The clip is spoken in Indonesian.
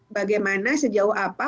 bagaimana sejauh apa